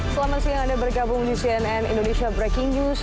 selamat siang anda bergabung di cnn indonesia breaking news